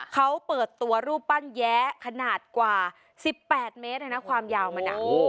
เขาเปิดตัวรูปปั้นแย้ขนาดกว่า๑๘เมตรความยาวมัน